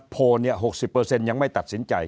โพล๖๐ยังไม่ตัดสินใจ